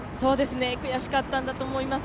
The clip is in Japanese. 悔しかったんだと思います。